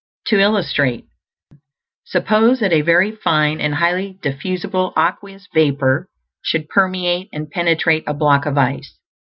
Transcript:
To illustrate: Suppose that a very fine and highly diffusible aqueous vapor should permeate and penetrate a block of ice.